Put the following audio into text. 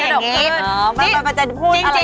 เขาว่าปากเป็นลูกกระจับคือยังไง